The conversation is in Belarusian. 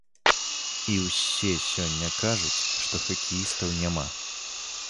І ўсе сёння кажуць, што хакеістаў няма.